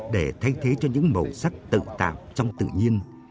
để thay thế cho những màu sắc tự tạo trong tự nhiên